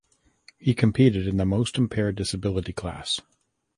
He competed in the most impaired disability class.